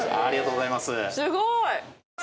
ありがとうございますすごい！